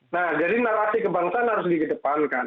nah jadi narasi kebangsaan harus dikedepankan